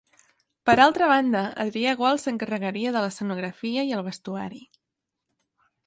Per altra banda, Adrià Gual s'encarregaria de l'escenografia i el vestuari.